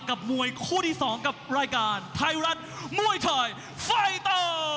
กับมวยคู่ที่๒กับรายการไทยรัฐมวยไทยไฟเตอร์